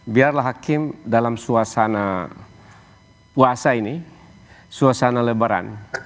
biarlah hakim dalam suasana puasa ini suasana lebaran